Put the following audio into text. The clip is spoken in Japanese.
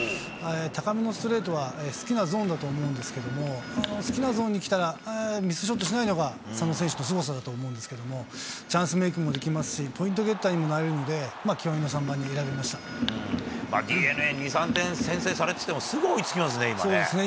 高めのストレートは好きなゾーンだと思うんですけれども、好きなゾーンに来たら、ミスショットしないのが佐野選手のすごさだと思うんですけど、チャンスメークもできますし、ポイントゲッターにもなれるので、ＤｅＮＡ、２、３点先制されてても、すぐ追いつきますね、今ね。